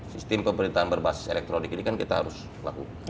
sistem pemerintahan berbasis elektronik ini kan kita harus lakukan